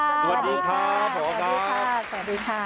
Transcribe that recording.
สวัสดีค่ะสวัสดีค่ะ